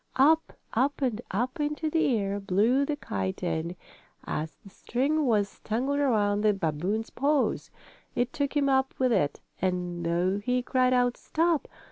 Up, up and up into the air blew the kite and, as the string was tangled around the babboon's paws, it took him up with it, and though he cried out: "Stop!